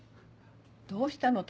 どうしたの？